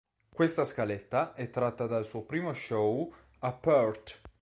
Questa scaletta è tratta dal suo primo show a Perth.